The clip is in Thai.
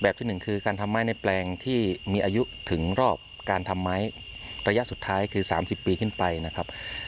ที่หนึ่งคือการทำไม้ในแปลงที่มีอายุถึงรอบการทำไม้ระยะสุดท้ายคือ๓๐ปีขึ้นไปนะครับ